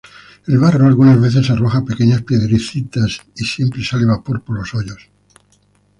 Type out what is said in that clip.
El barro algunas veces arroja pequeñas piedritas y siempre sale vapor por los hoyos.